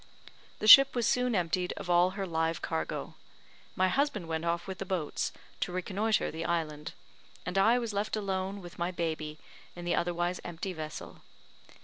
The ship was soon emptied of all her live cargo. My husband went off with the boats, to reconnoitre the island, and I was left alone with my baby in the otherwise empty vessel.